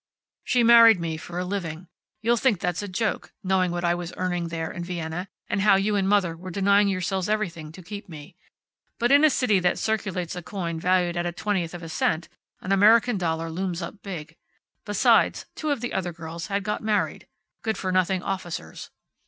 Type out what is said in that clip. "She married me for a living. You'll think that's a joke, knowing what I was earning there, in Vienna, and how you and mother were denying yourselves everything to keep me. But in a city that circulates a coin valued at a twentieth of a cent, an American dollar looms up big. Besides, two of the other girls had got married. Good for nothing officers.